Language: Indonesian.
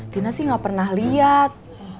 tina sih nggak pernah lihat